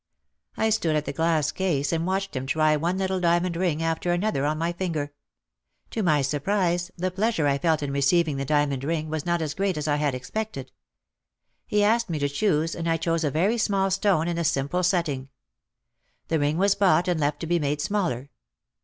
I stood at the glass case and watched him try one little diamond ring after another on my finger. To my sur prise the pleasure I felt in receiving the diamond ring was not as great as I had expected. He asked me to choose and I chose a very small stone in a simple setting. The ring was bought and left to be made smaller.